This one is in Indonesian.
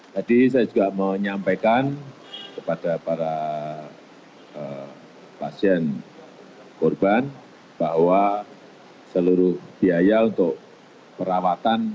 tadi saya juga menyampaikan kepada para pasien korban bahwa seluruh biaya untuk perawatan